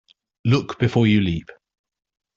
Look before you leap.